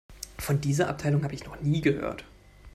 Von dieser Abteilung habe ich noch nie gehört.